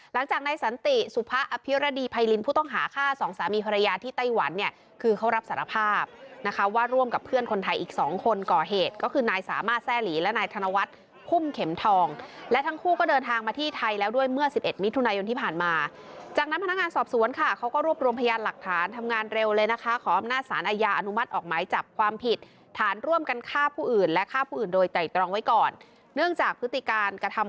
หลังจากนายสันติสุพะอภิรดีไพรินผู้ต้องหาฆ่าสองสามีภรรยาที่ไต้หวันเนี่ยคือเขารับสารภาพนะคะว่าร่วมกับเพื่อนคนไทยอีกสองคนก่อเหตุก็คือนายสามารถแซ่หลีและนายธนวัฒน์พุ่มเข็มทองและทั้งคู่ก็เดินทางมาที่ไทยแล้วด้วยเมื่อสิบเอ็ดมิถุนายนที่ผ่านมาจากนั้นพนักงานสอบสวนค่ะเขาก็รวบรวม